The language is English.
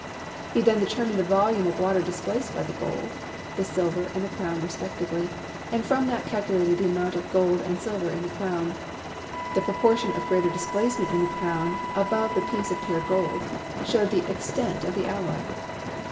He then determined the volume of water displaced by the gold, the silver and the crown respectively, and from that cal culated the amount of gold and silver in the crown. The proportion of greater displacement in the crown above the piece of pure gold showed the extent of the alloy.